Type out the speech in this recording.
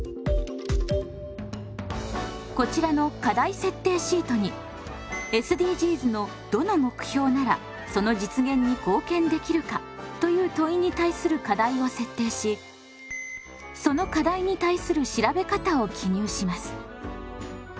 こちらの課題設定シートに「ＳＤＧｓのどの目標ならその実現に貢献できるか？」という問いに対する課題を設定しその課題に対する調べ方を記入します。